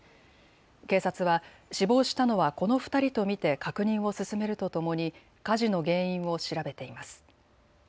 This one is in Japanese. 警察は死亡したのはこの２人と見て確認を進めるとともに火事の原因を調べています。